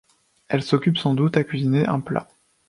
Elle s'occupe sans doute à cuisiner un plat.